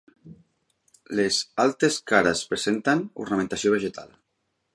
Les altres cares presenten ornamentació vegetal.